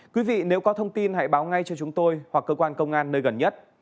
quý vị nếu có thông tin hãy báo ngay cho chúng tôi hoặc cơ quan công an nơi gần nhất